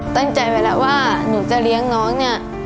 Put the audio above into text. ตั้งใจไว้แล้วว่าหนูจะเลี้ยงน้องเนี่ย